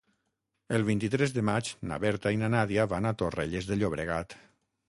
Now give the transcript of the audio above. El vint-i-tres de maig na Berta i na Nàdia van a Torrelles de Llobregat.